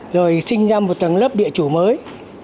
rồi sinh ra một tầng lớp địa chủ mới